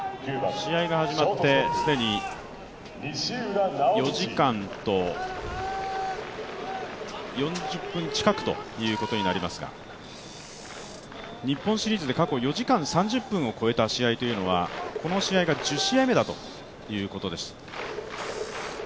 試合が始まって既に４時間と４０分近くということになりますが、日本シリーズで過去４時間３０分を超えた試合はこの試合が１０試合目だということです。